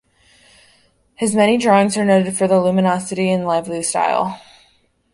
His many drawings are noted for their luminosity and lively style.